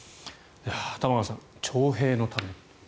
玉川さん、徴兵のためだと。